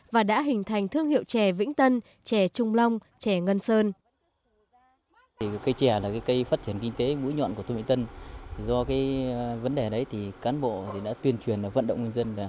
và đã hình thành thương hiệu chè vĩnh tân chè trung long chè ngân sơn